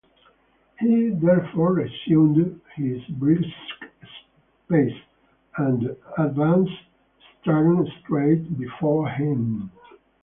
He therefore resumed his brisk pace, and advanced, staring straight before him.